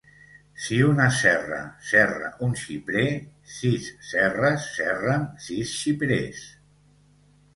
Si una serra serra un xiprer, sis serres serren sis xiprers.